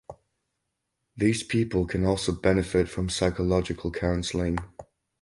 These people can also benefit from psychological counseling.